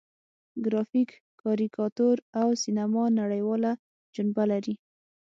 ګرافیک، کاریکاتور او سینما نړیواله جنبه لري.